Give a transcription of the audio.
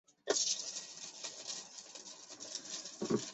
中华水龙骨为水龙骨科水龙骨属下的一个种。